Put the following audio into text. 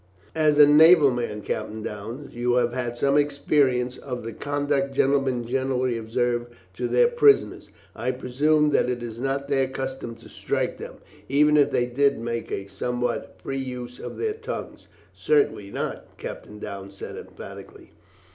"As a naval man, Captain Downes, you have had some experience of the conduct gentlemen generally observe to their prisoners. I presume that it is not their custom to strike them, even if they did make a somewhat free use of their tongues?" "Certainly not," Captain Downes said emphatically.